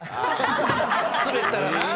スベったらな。